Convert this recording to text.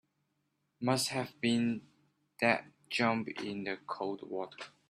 Must have been that jump in the cold water.